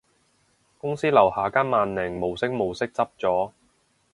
公司樓下間萬寧無聲無息執咗